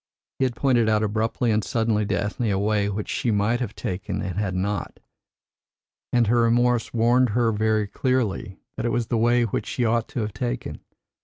He had pointed out abruptly and suddenly to Ethne a way which she might have taken and had not, and her remorse warned her very clearly that it was the way which she ought to have taken.